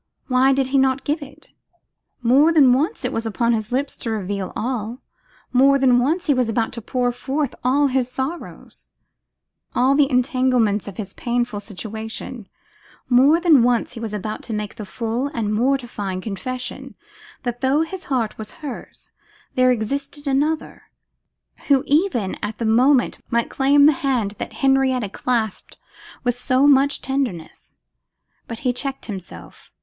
Why did he not give it? More than once it was upon his lips to reveal all; more than once he was about to pour forth all his sorrows, all the entanglements of his painful situation; more than once he was about to make the full and mortifying confession, that, though his heart was hers, there existed another, who even at that moment might claim the hand that Henrietta clasped with so much tenderness. But he checked himself.